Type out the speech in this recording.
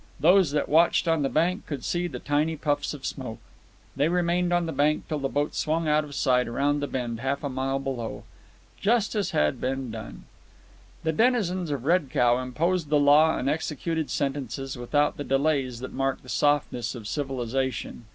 Those that watched on the bank could see the tiny puffs of smoke. They remained on the bank till the boat swung out of sight around the bend half a mile below. Justice had been done. The denizens of Red Cow imposed the law and executed sentences without the delays that mark the softness of civilization.